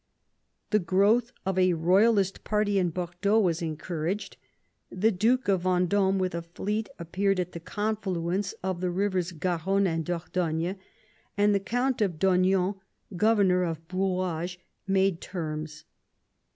The growth of a royalist party in Bordeaux was encouraged ; the Duke of Venddme with a fleet appeared at the confluence of the rivers Garonne and Dordogne, and the Count of Daugnon, governor of Brouage, made terms.